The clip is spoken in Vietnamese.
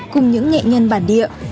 cùng những nghệ nhân bản địa